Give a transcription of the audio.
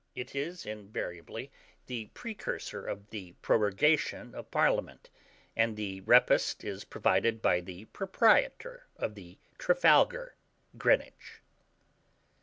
It is invariably the precursor of the prorogation of Parliament, and the repast is provided by the proprietor of the "Trafalgar," Greenwich.